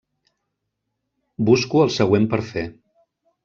Busco el següent per fer.